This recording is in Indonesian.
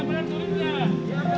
kenal dengan saya nggak gitu